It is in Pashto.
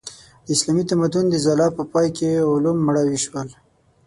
د اسلامي تمدن د ځلا په پای کې علوم مړاوي شول.